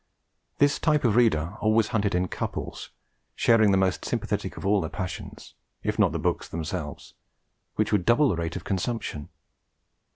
This type of reader always hunted in couples, sharing the most sympathetic of all the passions, if not the books themselves, which would double the rate of consumption.